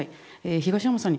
東山さん